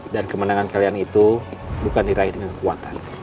dan kemenangan kalian itu bukan diraih dengan kekuatan